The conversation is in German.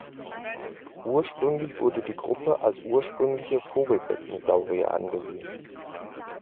Ursprünglich wurde die Gruppe als ursprüngliche Vogelbeckensaurier angesehen.